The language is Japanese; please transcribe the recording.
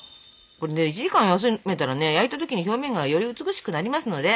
これね１時間休めたらね焼いた時に表面がより美しくなりますので。